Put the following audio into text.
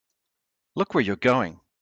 Look where you're going!